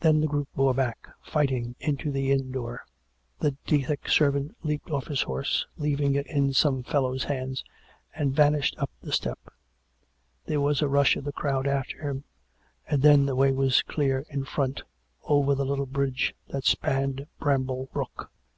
Then the group bore back, fighting, into the inn door ; the Dethick servant leapt off his horse, leaving it in some fellow's hands, and vanished up the step; there was a rush of the crowd after him, and then the way was clear in front, over the little bridge that spanned Bramble brook.